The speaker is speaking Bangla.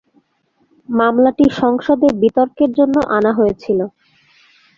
মামলাটি সংসদে বিতর্কের জন্য আনা হয়েছিল।